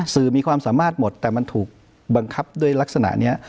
สื่อมีความสามารถหมดแต่มันถูกบังคับด้วยลักษณะนี้